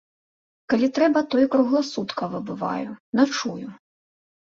Калі трэба, то і кругласуткава бываю, начую.